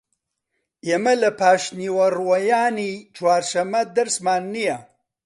ئێمە لە پاشنیوەڕۆیانی چوارشەممە دەرسمان نییە.